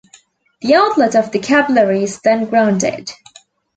The outlet of the capillary is then grounded.